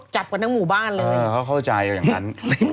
จับกันทั้งหมู่บ้านเลยเออเขาเข้าใจอย่างนั้น